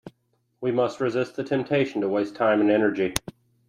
We must resist the temptation to waste time and energy.